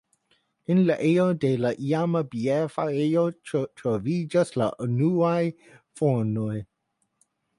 En la ejo de la iama bierfarejo troviĝis la unuaj fornoj.